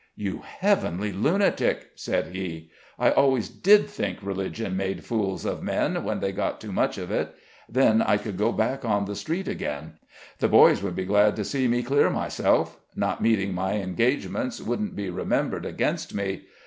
"You heavenly lunatic!" said he. "I always did think religion made fools of men when they got too much of it. Then I could go back on the Street again; the boys would be glad to see me clear myself not meeting my engagements wouldn't be remembered against me.